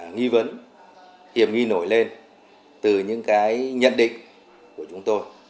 nghi vấn hiểm nghi nổi lên từ những cái nhận định của chúng tôi